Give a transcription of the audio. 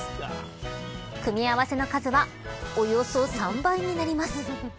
組み合わせの数はおよそ３倍になります。